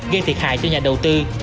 gây thiệt hại cho nhà đầu tư